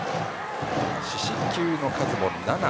四死球の数も７